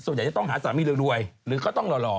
ส่วนใหญ่จะต้องหาสามีรวยหรือก็ต้องรอ